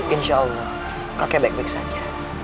insya allah kakek baik baik saja